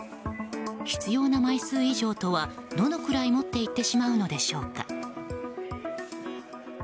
必要な枚数以上とは、どのくらい持っていってしまうのでしょうか。